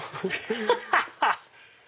ハハハハ！